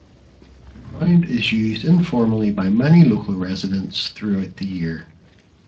The ground is used informally by many local residents throughout the year.